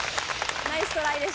ナイストライでした。